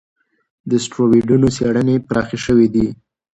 د اسټروېډونو څېړنې پراخې شوې دي.